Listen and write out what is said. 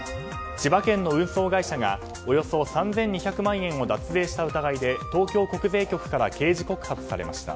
千葉県の運送会社がおよそ３２００万円を脱税した疑いで東京国税局から刑事告発されました。